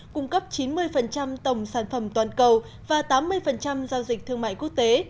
cung cấp chín mươi tổng sản phẩm toàn cầu và tám mươi giao dịch thương mại quốc tế